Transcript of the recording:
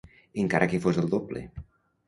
Encara que fos el doble.